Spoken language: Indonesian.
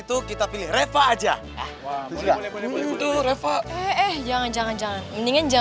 contoh yang mengejar